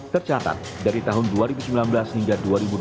tercatat dari tahun dua ribu sembilan belas hingga dua ribu dua puluh